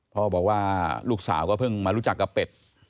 พ่อบอกว่าลูกสาวก็เพิ่งมารู้จักกับเป็ด